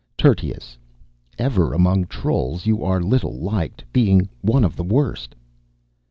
Tertius, ever among trolls you are little liked, being one of the worst."